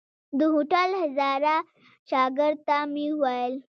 د هوټل هزاره شاګرد ته مې وويل.